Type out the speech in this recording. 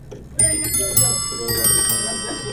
Coach, আমার বাবা পার্টির জন্য রান্না করছে।